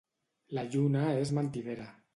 La lluna és mentidera.